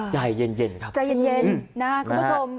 ใจเย็นครับใจเย็นนะครับคุณผู้ชม